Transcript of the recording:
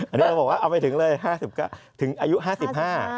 อันนี้เราบอกว่าเอาไปถึงเลยถึงอายุ๕๕ปี